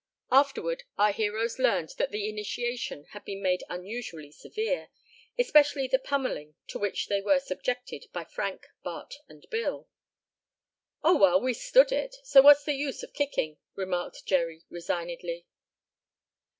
Afterward our heroes learned that the initiation had been made unusually severe, especially the pummeling to which they were subjected by Frank, Bart and Bill. "Oh, well, we stood it, so what's the use of kicking?" remarked Jerry resignedly.